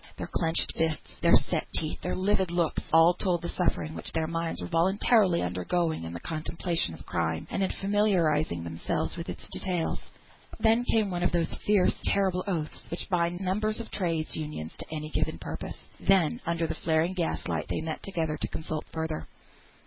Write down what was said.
Their clenched fists, their set teeth, their livid looks, all told the suffering their minds were voluntarily undergoing in the contemplation of crime, and in familiarising themselves with its details. Then came one of those fierce terrible oaths which bind members of Trades' Unions to any given purpose. Then, under the flaring gaslight, they met together to consult further.